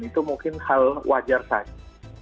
itu mungkin hal wajar saja